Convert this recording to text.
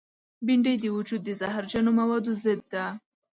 بېنډۍ د وجود د زهرجنو موادو ضد ده